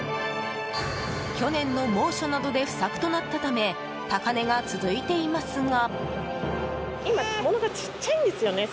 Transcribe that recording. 去年の猛暑などで不作となったため高値が続いていますが。